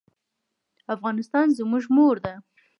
افغانستان زموږ مور ده.